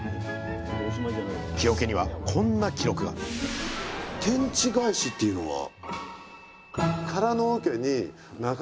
木おけにはこんな記録が「天地返し」っていうのは？